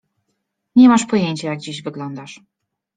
Nie masz pojęcia, jak dziś wyglądasz.